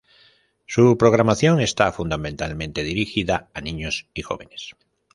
Su programación está fundamentalmente dirigida a niños y jóvenes.